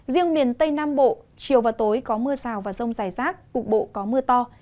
riêng miền tây nam bộ chiều và tối có mưa rào và rông dài rác cục bộ có mưa to